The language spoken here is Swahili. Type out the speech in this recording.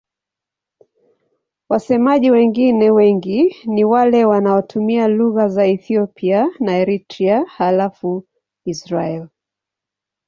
Wasemaji wengine wengi ni wale wanaotumia lugha za Ethiopia na Eritrea halafu Israel.